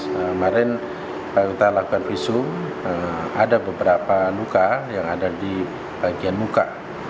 kemarin kita lakukan visum ada beberapa luka yang ada di bagian muka